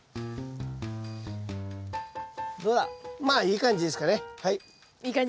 まあいい感じですかねはい。